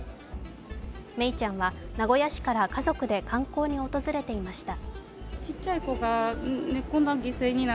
愛李ちゃんは名古屋市から家族で観光に訪れていました。